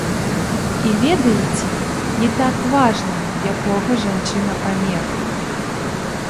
І ведаеце, не так важна, якога жанчына памеру.